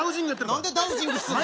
何でダウジングすんの。